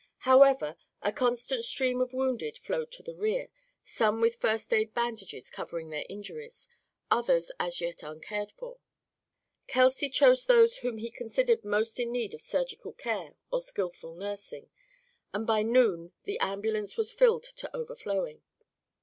However, a constant stream of wounded flowed to the rear, some with first aid bandages covering their injuries, others as yet uncared for. Kelsey chose those whom he considered most in need of surgical care or skillful nursing, and by noon the ambulance was filled to overflowing.